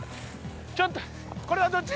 ちょっとこれはどっち？